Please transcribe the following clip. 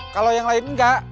kalau yang lain enggak